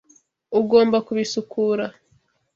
Ugomba kubisukura.